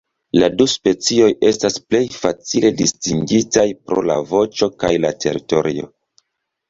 La du specioj estas plej facile distingitaj pro la voĉo kaj la teritorio.